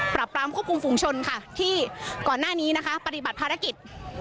ปรับปรามควบคุมฝุงชนค่ะที่ก่อนหน้านี้นะคะปฏิบัติภารกิจ